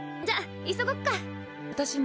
んじゃ急ごっか。